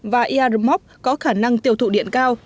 và yarmouk có khả năng tiêu thụ điện cao